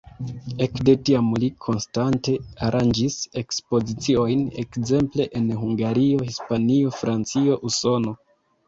Ekde tiam li konstante aranĝis ekspoziciojn ekzemple en Hungario, Hispanio, Francio, Usono.